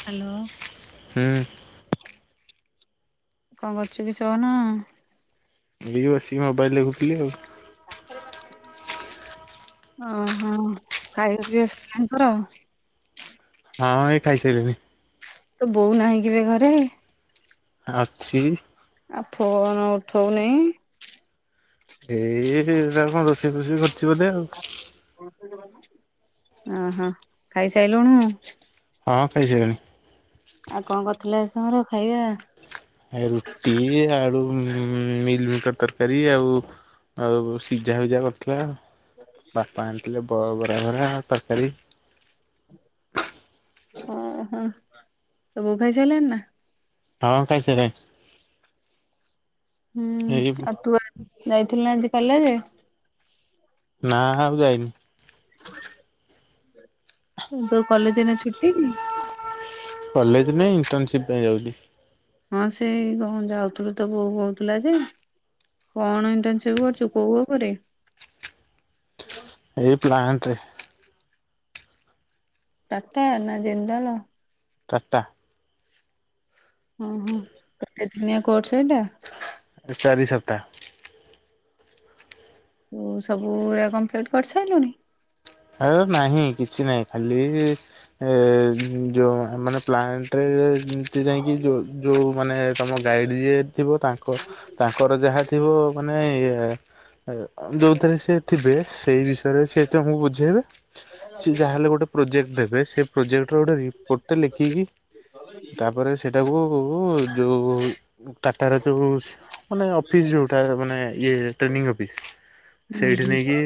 Hello. ହୁଁ। କଣ କରୁଛୁ କିଛି ସୁନ। ଲି ଆସିକି ମୋବାଇଲ ଦେଖୁଥିଲି ଆଉ। [inaudible] ଓ ହୋ ଖାଇବା ପିଇବା ସରିଲାଣି ତୋର? ହଁ ଏଇ ଖାଇସାରିଲ। ତ ବୋଉ ନାହିଁ କିବେ ଘରେ? ଅଛି। ଆଉ ଫୋନ୍‌ ଉଠଉ ନେଇ। ଏଇଟା କଣ ରୋଷେଇ ଫସେଇ କରୁ ଅହୋ ଖାଇସାଇଲୁଣୁ? ହଁ ଖାଇସାଇଲି। ଆଉ କଣ କରୁଥିଲେ ତମର ଖାଇବା? ରୁଟି, ଆଳୁ ମିଲ୍ ମିକର୍ ତରକାରୀ ଆଉ ଆଉ ସିଝା ଫିଝା କରିଥିଲା। ବାପା ଆଣିଥିଲେ ବ ବରା ଭରା ତରକାରୀ। ହ ହ ସବୁ ଖାଇ ସାରିଲଣି ନା? ହଁ ଖାଇସାରିଲେଣି। ହୁଁ ଆଉ ତୁ ଯାଇଥିଲୁ ନା ଆଜି କଲେଜ? ନା ଆଉ ଯାଇନି। ତୋ କଲେଜ୍‌ ଏଇନା ଛୁଟି କି? କଲେଜ ନାଇ ଇଣ୍ଟର୍ନସିପ୍ ପାଇଁ ଯାଉଛି। ହଁ ସେଇ କଣ ଯାଉଥିଲୁ, ତ ବୋଉ କହୁଥିଲା ଯେ କଣ ଇଣ୍ଟନ୍‌ସିପ୍ କରୁଛୁ କୋଉ ଉପରେ? ଏଇ ପ୍ଲ। ନ୍ଟରେ। ଟାଟା ନା ଜିନ୍ଦଲ। ଟାଟା। ହ ହ କେତେ ଦିନିଆ କୋର୍ସ ଏଇଟା? ଚାରି ସପ୍ତାହ। ତୁ ସବୁଗୁରା କମ୍ପ୍ଲିଟ୍ କରିସାଇଲୁଣି। ଆ ନାହିଁ କିଛି ନାହିଁ ଖାଲି ଏ ଯେଉଁ ମାନେ ପ୍ଲାଣ୍ଟରେ, ଯେମିତି ଯାଇଁକି ଯୋଉ ମାନେ ତମ ଗାଇଡ୍‌ ଯିଏ ଥିବ ତା ଙ୍କ ଉହୁଁ ତାଙ୍କର ଯାହା ଥିବ ମାନେ ୟେ ଯୋଉଥିରେ ସେ ଥିବେ ସେଇ ବିଷୟରେ ସିଏ ତମକୁ ବୁଝେଇବେ। ସିଏ ଯାହାହେଲେ ଗୋଟେ ପ୍ରୋଜେକ୍ଟ ଦେବେ। ସେ ପ୍ରୋଜେକ୍ଟର ଗୋଟେ ରିପୋଟ୍‌ ଟେ ଲେଖିକି ତାପରେ ସେଟାକୁ ଯୋଉ ଟାଟାର ଯୋଉ ମାନେ ଅଫିସ୍‌ ଯଉଟା ମାନେ ଇଏ ଟ୍ରେନିଙ୍ଗ୍ ଅଫିସ୍ ସେଇଠି ନେଇ କି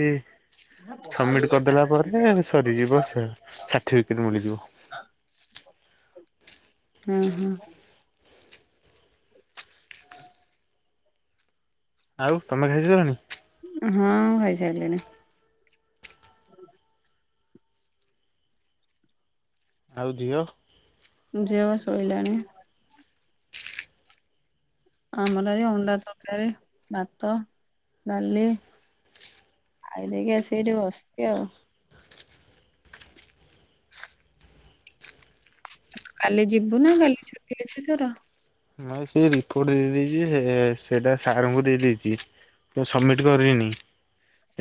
ସବ୍ ମିଟ କଲାପରେ ସରିଯିବ ସ ସାଟିଫିକଟ୍ ମିଳିଯିବ। ହଁ ହଁ। ଆଉ ତମେ ଖାଇ ସାଇଲଣି? ହଁ ଖାଇସାଇଲିଣି। ଆଉ ଝିଅ? ଝିଅ ଶୋଇଲାଣି। ଆମର ଏ ଅଣ୍ଡା ତରକାରୀ, ଭାତ, ଡାଲି ଖାଇ ଦେଇକି ଆସି ଏଇଟି ବସିଚି ଆଉ। କାଲି ଯିବୁ ନା କାଲି ଛୁଟି ଅଛି ତୋର? ନାଇ ସେ ରିପୋର୍ଟ ଦେଇ ଦେଇଦେଇଛି ସେଇଟା ସାର୍ ଙ୍କୁ ଦେଇଦେଇଛି। ମୁଁ ସବ୍‌ମିଟ୍ କରିନି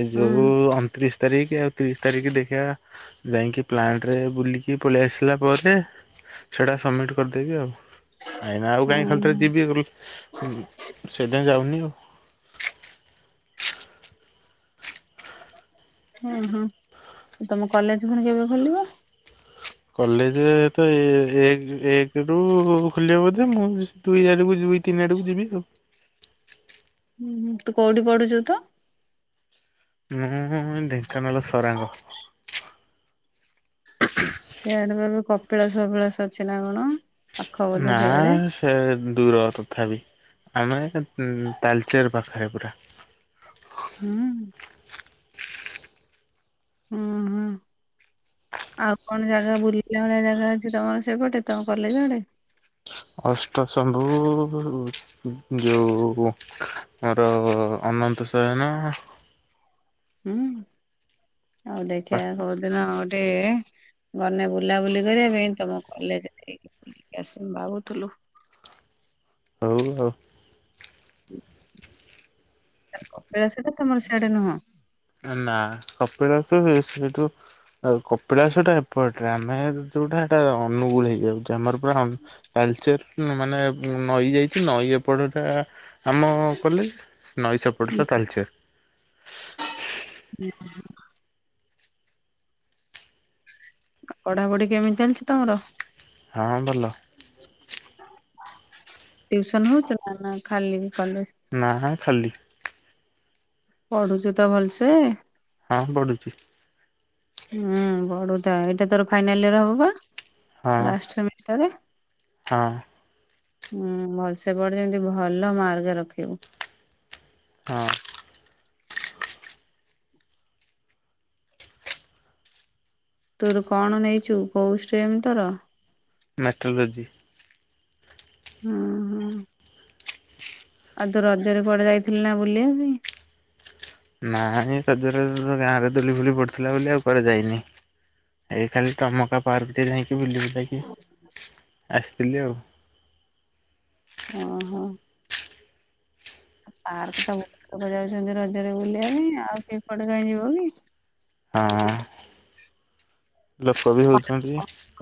ଏ ହଁ ଯଉଁ ଅଣତିରିଶ ତାରିଖ ଆଉ ତିରିଶ ତାରିଖ ଦେଖିବା, ଯାଇକି ପ୍ଲାଣ୍ଟରେ ବୁଲିକି ପଳେଇ ଆସିଲା ପରେ। ସେଇଟା ସବମିଟ୍ କରିଦେଇବି ଆଉ। କାଇଁ ନା ଆଉ କାହିଁ ଖାଲିଟାରେ ହଁ ଯିବି ଘରକୁ, ସେଇଥିପାଇଁ ଯାଉନି ଆଉ। ହୁଁ ହୁଁ ତମ କଲେଜ ପୁଣି କେବେ ଖୋଲିବ। କଲେଜ ତ ଏକ ଏକ ରୁ ଖୋଲିବ ବୋଧେ, ମୁଁ ଦୁଇ ଆଡୁକୁ ଯିବି। ତିନି ଆଡକୁ ଯିବି ଆଉ। ହୁଁ ହୁଁ ତୁ କୋଉଠି ପଢୁଛୁ ତ? ମୁଁ ଢେଙ୍କାନାଳ ସରାଙ୍ଗ। ସେଆଡେ ପା କପିଳାସଫାପିଳାସ ଅଛି ନା କଣ? ପାଖ ବୋଧେ ନା ସେଆଡେ ସେ ଦୂର ତଥାପି। ଆମେ ଏ ତାଲ୍ ଚେର ପାଖେରେ ପୁରା। ହୁଁ। ହୁଁ ହୁଁ। ଆଉ କଣ ଜାଗା ବୁଲିବା ଭଳିଆ ଜାଗା ଅଛି ତମର ସେପଟେ ତମ କଲେଜ ଆଡେ। ଅଷ୍ଟ ଶମ୍ଭୁ ଯଉ ଆମର ଅନନ୍ତ ସୟନ। ହୁଁ ହଉ ଦେଖିଆ କୋଉ ଦିନ ଗୋଟେ ଗନେ ବୁଲାବୁଲି କରିବା ପାଇଁ ତମ କଲେଜ ବୁଲିକ ଆସି ଭାବୁଥିଲୁ। ହଉ ଆଉ। ହୁଁ। କପିଳାସ। ନା କପିଳାସ ତ। କିନ୍ତୁ କପିଳାସଟା ଏପଟରେ ଆମେ ଯୋଉଟା ସେଟା ଅନୁଗୁଳ ହେଇଯାଉଛି ତ। ସେ ଆମର ପୁରା ତାଳଚେର୍ ମାନେ ନଈ ଯାଇଛି ନଈ ଏପଟଟା। ଆମ କଲେଜ ନଈ ସେପଟଟା ତାଳଚେର। [inaudible] ପଢାପଢି କେମିତି ଚାଲିଛି ତମର। ହଁ ଭଲ। ଟିଉସନ ହଉଛ ନା ଖାଲି। କଲେଜ ନା ଖାଲି। ପଢୁଛୁ ତ ଭଲସେ? ହଁ ପଢୁଛି। ହୁଁ ପଢୁଥା ତ ଏଇଟା ତୋର ଫାଇନାଲରେ ହବ ବା। ହଁ ଲାଷ୍ଟ ସେମିଷ୍ଟର। ହଁ। ହୁଁ ଭଲସେ ପଢ ଯେମତି ଭଲ ମାର୍କ ରଖିବୁ। ହଁ। ତୋର କଣ ନେଇଛୁ କୋଉ ଷ୍ଟ୍ରିମ୍ ତୋର? ମେଟ୍ରୋଲୋଜି। ହୁଁ ହୁଁ। ଆଉ ତୁ ରଜରେ କୁଆଡେ ଯାଇଥିଲୁ ନା ବୁଲିବା ପାଇଁ। ନାରଜରେ ଗାଁ ରେ ଦୁଲି ଫୁଲି ପଡିଥିଲା ବୋଲି ଆଉ କୁଆରେ ଯାଇନି। ଏ ଖାଲି ତମକା ପାର୍କରେ ଯାଇକି ବୁଲି ବୁଲାକି ଆସିଥିଲି ଆଉ। ଓ ହୋ। ପାର୍କ ଟା ବହୁତ ଲୋକ ଯାଉଛନ୍ତି ରଜରେ ବୁଲିବା ପାଇଁ ଆଉ ସେପଟ କ ଯିବ କି। ହଁ। ଲୋକ ବି ହଉଛନ୍ତି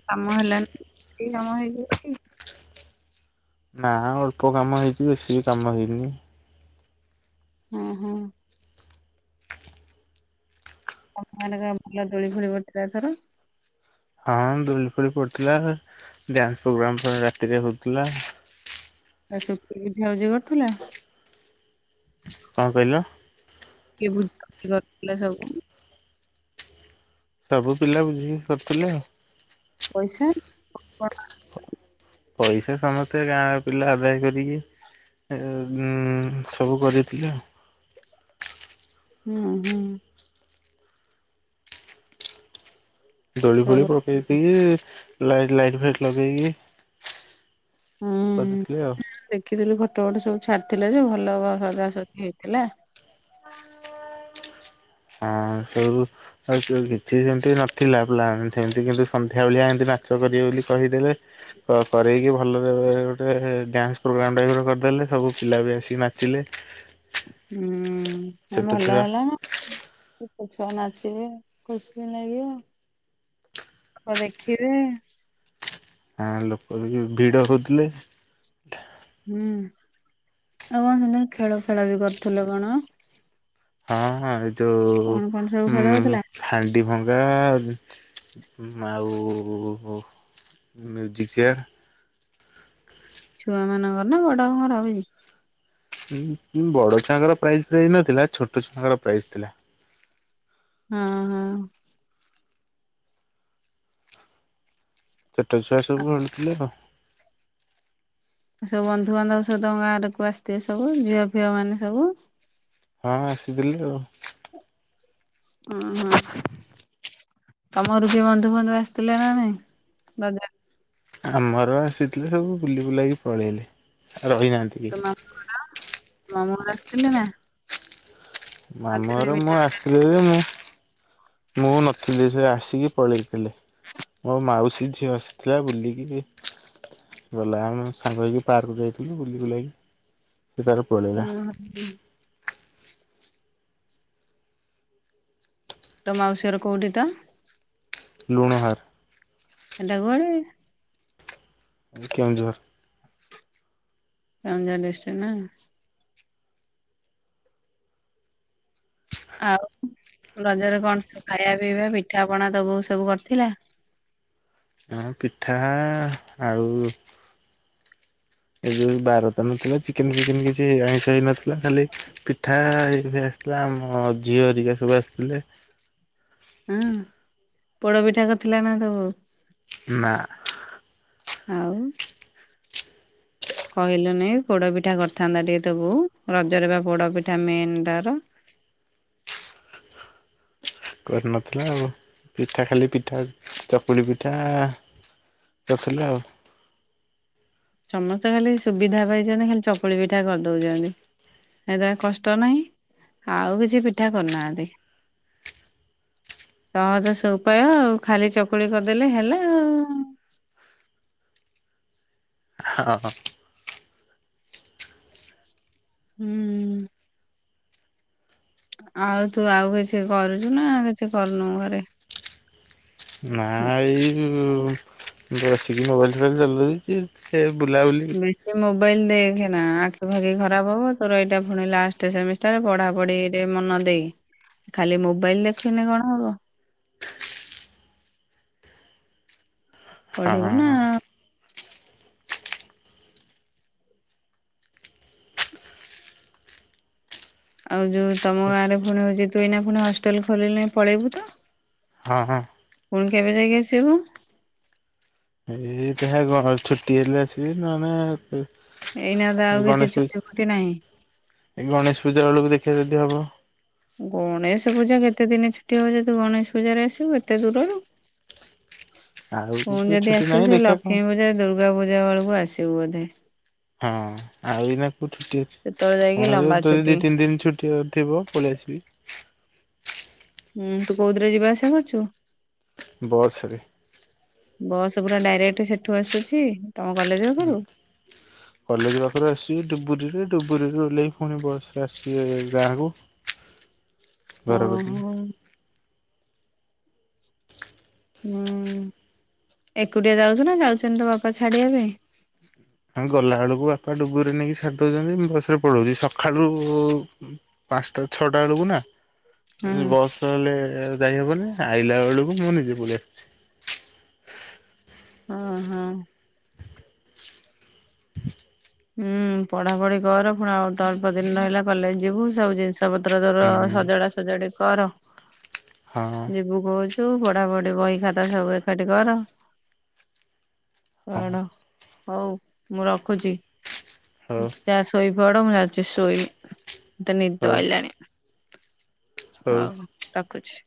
କାମ ହେଲାନି କାମ ହେଇଯାଉଛି। ନା ଅଳ୍ପ କାମ ହେଇଛି ବେଶୀ କାମ ହେଇନି। ଉଁ ହୁଁ। ଆ କ କ ଭଲ ଦୋଳି ଫୋଳି ପଡିଥିଲାଏଥର। ହଁ ଦୋଳି ଫୋଳି ପଡିଥିଲା। ଡ୍ୟାନ୍ସ ପ୍ରୋଗ୍ରାମ ରାତିରେ ହଉଥିଲା। [inaudible] କରୁଥିଲା କଣ କହିଲ? [inaudible] ସବୁ ପିଲା ବୁଝିକି କରୁଥିଲେ ଆଉ। ପଇସା? ପଇସା ସମସ୍ତେ ଗାଁ ର ପିଲା ଆଦାୟ କରିକି। ଏ ଉଁ ସବୁ କରିଥିଲେ। ହୁଁ ହୁଁ। ଦୋଳି ଫୋଳି ସବୁ ପକେଇକି ଲାଇ ଲାଇଟ୍ ଫାଇଟ୍ ଲଗେଇକି। ହୁଁ କରିଥିଲେ ଆଉ। ଦେଖିଥିଲି ଫଟୋ ଫଟ ସବୁ। ଛାଡିଥିଲେ ଯେ ଭଲ ସଜାସଜି ହେଇଥିଲା। ହାଁ ସୁବୁ [unintelligible] କିଛି ସେମିତି ନଥିଲା ପ୍ଲାନ ସେମିତି କିନ୍ତୁ ସନ୍ଧ୍ୟା ବେଳିଆ ଏମିତି ନାଚ କରିବେ ବୋଲି କହିଦେଲେ। କ କରେଇକି ଭଲରେ ଗୋଟେ ଡ୍ୟାନ୍ସ ପ୍ରୋଗ୍ରାମ ଟାଇପ୍ ର କରିଦେଲେ ସବୁ ପିଲା ବି ଆସିକି ନାଚିଲେ। ହୁଁ ହଁ ଛୋଟ ଭଲ ଛୁଆ ହେଲା। ଛୁଆ ନାଚିବେ ଖୁସିରେ ଲାଗିବ। ଆଉ ଦେଖିବେ। ହାଁ ଲୋକୋ ବି ବିଡ ହୋଉଥିଲେ। ହୁଁ ଆଉ କଣ ହେଲା ଖେଳ ଫେଳ ବି କରୁଥିଲ କଣ? ହାଁ ଏ ଯୋଉ କଣ କଣ ସବୁ ଖେଳ ଉଁ ହଉଥିଲା? ହାଣ୍ଡି ଭଙ୍ଗା। ଆଉ ମ୍ୟୁଜିକ୍ ଚେୟାର। ଛୁଆ ମାନଙ୍କର ନା ବଡଙ୍କର ବି। ଉଁ ଉଁ ବଡ ଛୁଆଙ୍କର ପ୍ରାଇଜ୍ ଫ୍ରାଇଜ୍ ନଥିଲା ଛୋଟ ଛଆଙ୍କର ପ୍ରାଇଜ୍ ଥିଲା। ହଁ ହଁ। ଛୋଟ ଛୁଆ ସବୁ ଆଣିୁଥିଲେ ଆଉ। ସବୁ ବନ୍ଧୁବାନ୍ଧବ ସବୁ ତମ ଗାଁରେକୁ ଆସିଥିବେ ସବୁ ଝିଅ ଫିଅ ମାନେ ସବୁ। ହଁ ଆସିଥିଲି ଆଉ। ଉହୁଁ। ତମର ବି ବନ୍ଧୁ ବାନ୍ଧବ ଆସିଥିଲେ ନା ନାଇଁ ରଜ ଆମର ଆସିଥିଲେ ସବୁ ବୁଲି ବୁଲାକି ପଳେଇଲେ ରହିନାହାନ୍ତି ତୋ କେହି। ମାମୁଁ ଘର ମାମୁଁ ଘରେ ଆସିଥିଲେ ନା। ମାମଁ ରଜରେ ଘର ମୁଁ ମିଠା ଆସିଥିଲି ଯେ ମୁଁ ମୁଁ ନଥିଲି ସେ ଆସିକି ପଳେଇି ହେଲେ ମୋ ମାଉସୀ ଝିଅ ଆସିଥିଲା ବୁଲିକିରି ଗଲା ଆମେ ସାଙ୍ଗ ହୋଇକି ପାର୍କକୁ ଯାଇଥିଲୁ ବୁଲି ବୁଲାକି ସେ ତାର ପଳେଇଲା [unintelligible] ତୋ ମାଉସି ଘର କୋଉଠି ତ? ଲୁଣାହାର। ହେଟା କୁଆଡ଼େ। କେଉଁଝର। କେଉଁଝର୍ ଡିଷ୍ଟିକ୍। ଆଉ ରଜରେ କଣ ସବୁ ଖାଇବା ପିଇବା ପିଠା ପଣା ତୋ ବୋଉ ସବୁ କରିଥିଲା? ଆଁ ପିଠା ଆଉ ଏ ଯୋଉ ବାରତ ନଥିଲା ଚିକେନ ଫିକେନ କିଛି ଆଇଁଶ ହେଇନଥିଲା ଖାଲି ପିଠା ହେଇକି ଆସିଥିଲା ଆମୋ ଝିଅ ହାରିକା ସବୁ ଆସିଥିଲେ। [inaudible] ହୁଁ ପୋଡପିଠା କରିଥିଲାନା ତୋ ବୋଉ? ନାଆଁ। ଆଉ। କହିଲୁନି ପୋଡପିଠା କରିଥାନ୍ତା। ଟିକେ ତ ବୋଉ ରଜରେ ବା ପୋଡ ପିଠା ମେନ୍ ତାର। [inaudible] କରିନଥିଲା ଆଉ ପିଠା ଖାଲି ପିଠା ଚକୁଳି ପିଠା କରିଥିଲା ଆଉ। ସମସ୍ତେ ଖାଲି ସୁବିଧା ପାଇଚନ୍ତି। ଖାଲି ଚକୁଳି ପିଠା କରିଦୋଉଚନ୍ତି। ଏଟା କଷ୍ଟ ନାହିଁ। ଆଉ କିଛି ପିଠା କରୁନାହାନ୍ତି। ସହଜ ସେ ଉପାୟ ଆଉ ଖାଲି ଚକୁଳି କରିଦେଲେ ହେଲା ଆଉ [inaudible] ହଁ ଅ। ଉଁ। ଆଉ ତୁ ଆଉ କିଛି କରୁଛୁ ନା କିଛି କରୁନୁୁ ଘରେ। ନା ଏଇ ବସିକି ମୋବାଇଲ ଫୋବାଇଲ ଚାଲଛି ସେ। ବୁଲାବୁଲି ବେଶୀ ମୋବାଇଲ ଦେଇଖନା ଆଖି ଫାଖି ଖରାପ ହବ ତୋର ଏଇଟା ପୁଣି ଲଷ୍ଟ ସେମିଷ୍ଟାର ପଢାପଢିରେ ମନ ଦେଇ ଖାଲି ମୋବାଇଲ ଦେକହିଥିଲେ କଣ ହବ? ହଁ ପଢିବୁନା ଆଉ ଆଉ ଯୋଉ ତମ ଗାଁ ରେ ପୁଣି ହଉଛି ତୁ ଏଇନା ପୁଣି ହଷ୍ଟେଲ ଖୋଲିଲେ ପଳେଇବୁ ତ? ହଁ ହଁ। କେବେ ଯାଇକି ଆସିବୁ? [unintelligible] ଏଇ ଗଣେଶ ପୂଜା ଏଇନା ତ ଆଉ ଏଇ କିଛି ଗଣେଶ ଛୁଟି ଫୁଟି ନାହିଁ। ପୂଜା ବେଳକୁ ଦେଖେ। ଟିକେ ଯଦି ହବ। ଗଣେଶ ପୂଜା କେତେ ଦିନ ଛୁଟି ହବଯେ ତୁ ଗଣେଶ ପୂଜାରେ ଆସିବୁ ଏତେ ଦୂରରୁ। ଆଉ ତ ପୁଣି ଯଦି ଛୁଟି ଆସିବୁ ନାହିଁ ସେଇ ଦେଖିବା କଣ ଲକ୍ଷ୍ମୀ ପୂଜା ଦୁର୍ଗା ପୂଜା ବେଳକୁ ଆସିବୁ ବୋଧେ। ହଁ ଆଉ ଏନା କଣ ଛୁଟି ସେତେବେଳେ ଯାଇକି କଣ ଲମ୍ବା ଯଦି ଛୁଟି ଦି ତିନି ଦିନ ଛୁଟି ଥିବ ପଳେଇ ଆସି [inaudible] ହୁଁ ତୁ କୋଉଥିରେ ଯିବା ଆସିବା କରୁଛୁ? ବସ୍ ରେ। ବସ୍ ପୁରା ଡାଇରେକ୍ଟ ସେଠୁ ଆସୁଛି? ତମ କଲେଜ ହଁ ପାଖରୁ କଲେଜ ପାଖରେ ଆସେ ଡୁବରିରେ। ଡୁବୁରୀ ରେ ଓଲେହି ପୁଣି ବସ୍ ରେ ଆସୁଚି ଗାଁ କୁ। ଓ ହୋ। ହୁଁ ଏକୁଟିଆ ଯାଉଛୁ ନା ଯାଉଛନ୍ତି ତ ବାପା ଛାଡିବା ପାଇଁ? ଆମେ ଗଲାବେଳକୁ ବାପା ଡୁବୁରିରେ ନେଇକି ଛାଡି ଦଉଛନ୍ତି ମୁଁ ବସ ରେ ପଳଉଛି ସକାଳୁ ପାଞ୍ଚଟା ଛଅଟା ବେଳକୁ ନା। ହଁ ବସ ନହେଲେ ଯାଇହବନି ଆଇଲା ବେଳକୁ ମୁଁ ନିଜେ ପାଲେଇ ଆସୁଛି। ଉଁହୁଁ। ହୁଁ ପଢାପଢି କର ପୁଣି ଆଉ ଅଳପ ଦିନ ରହିଲା କଲେଜ ଯିବୁ ସବୁ ଜିନିଷ ର ପତ୍ର ତୋର ହୁଁ ସଜଡ଼ା ସଜାଡ଼ି କର। ହଁ ଯିବୁ କହୁଚୁ ପଢାପଢି ବହି ଖାତା ସବୁ ଏକାଠି କର। ହଁ କଣ ହଉ ମୁଁ ରଖୁଛି। ହଉ ଯାହା ଶୋଇ ପଡ ମୁଁ ଯାଉଛି ଶୋଇମି ମତେ ନିଦ ହଉ ଆଇଲାଣି। ହଉ ରଖୁଛି।